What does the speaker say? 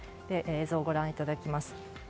映像ご覧いただきます。